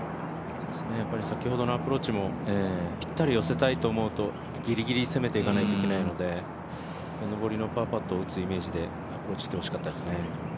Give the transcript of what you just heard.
先ほどのアプローチもぴったり寄せたいと思うとぎりぎり攻めていかないといけないので上りのパーパットを打つイメージでアプローチしてほしかったですね。